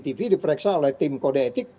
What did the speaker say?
tv diperiksa oleh tim kode etik